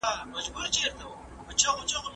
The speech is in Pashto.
زه اجازه لرم چي قلم استعمالوم کړم!؟